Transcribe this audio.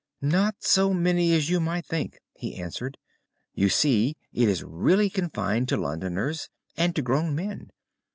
"'Not so many as you might think,' he answered. 'You see it is really confined to Londoners, and to grown men.